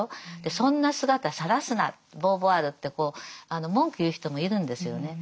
そんな姿さらすなボーヴォワールってこう文句言う人もいるんですよね。